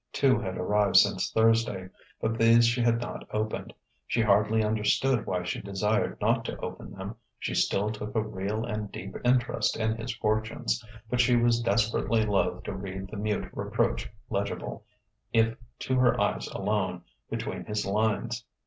Two had arrived since Thursday; but these she had not opened. She hardly understood why she desired not to open them; she still took a real and deep interest in his fortunes; but she was desperately loath to read the mute reproach legible, if to her eyes alone, between his lines.